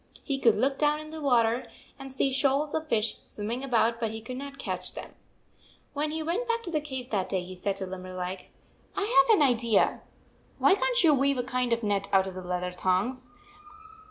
He could look down into the water and see shoals of fish swimming about, but he could not catch them. When he went back to the cave that day, he said to Limberleg: "I have an idea. Why can t you weave a kind of net out of leather thongs?